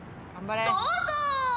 どうぞ。